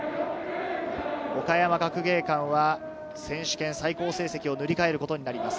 岡山学芸館は選手権最高成績を塗り替えることになります。